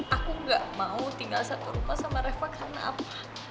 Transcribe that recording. aku gak mau tinggal satu rumah sama reva karena apa